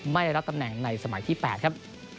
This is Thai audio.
ไม่รับตำแหน่งในสมัยที่๘ครับ